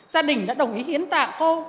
gia đình đã đồng ý hiến tạng khô